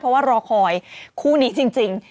เพราะว่ารอคอยคู่นี้จริง